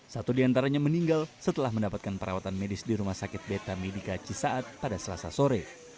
satu diantaranya meninggal setelah mendapatkan perawatan medis di rumah sakit beta medica cisaat pada selasa sore